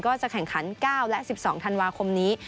จะแข่งขัน๙และ๑๒ธันวาคมนี้